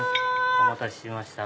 お待たせしました。